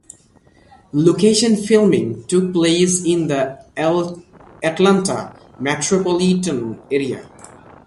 Location filming took place in the Atlanta metropolitan area.